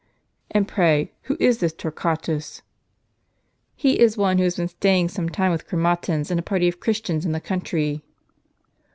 " And pray who is this Torquatus ?" "He is one who has been staying some time with Chro matins and a party of Christians in the country."